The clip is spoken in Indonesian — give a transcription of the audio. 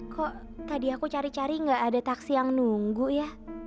kok tadi aku cari cari nggak ada taksi yang nunggu ya